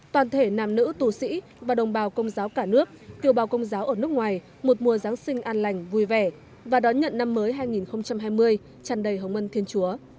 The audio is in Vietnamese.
toàn thể nàm nữ tù sĩ và đồng bào công giáo cả nước kiều bào công giáo ở nước ngoài một mùa giáng sinh an lành vui vẻ và đón nhận năm mới hai nghìn hai mươi tràn đầy hồng mân thiên chúa